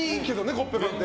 コッペパンって。